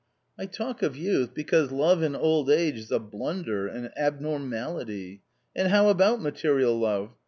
" I talk of youth because love in old age is a blunder, an abnormality. And how about material love